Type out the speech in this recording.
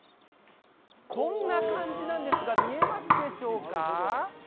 こんな感じなんですが見えますでしょうか？